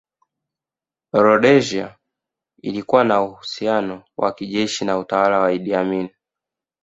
Rhodesia ilikuwa na uhusiano wa kijeshi na utawala wa Idi Amin